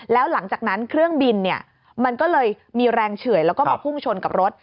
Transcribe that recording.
แล้วหลังจากนั้นเครื่องบินมันก็เลยมีแรงเฉื่อยแล้วก็มาพุ่งชนกับรถ